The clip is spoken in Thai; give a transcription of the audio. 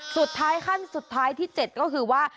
สุดท้ายขั้นสุดท้ายที่๗ก็คือว่า